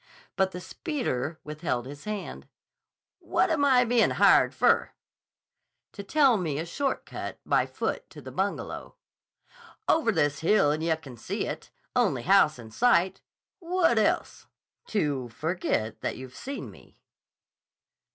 But the speeder withheld his hand. "What am I bein' hired fer?" "To tell me a short cut by foot to the Bungalow." "Over this hill, and yeh can see it. Only house in sight. Whut else?" "To ferget that you've seen me."